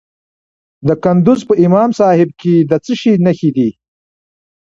د کندز په امام صاحب کې د څه شي نښې دي؟